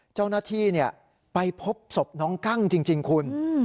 เจ้าหน้าที่ไปพบศพน้องกั้งจริงคุณ